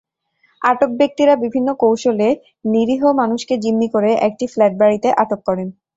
আটক ব্যক্তিরা বিভিন্ন কৌশলে নিরীহ মানুষকে জিম্মি করে একটি ফ্ল্যাট বাড়িতে আটক করেন।